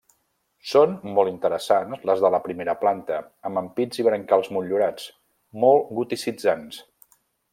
Són molt interessants les de la primera planta amb ampits i brancals motllurats, molt goticitzants.